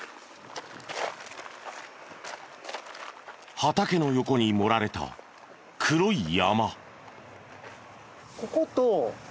畑の横に盛られた黒い山。